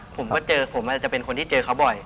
ผมก็เจอผมอาจจะเป็นคนที่เจอเขาบ่อย